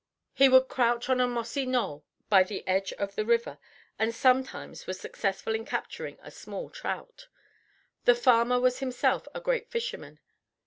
He would crouch on a mossy knoll by the edge of the river, and sometimes was successful in capturing a small trout. The farmer was himself a great fisherman.